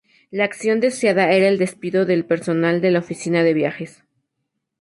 La acción deseada era el despido del personal de la Oficina de Viajes.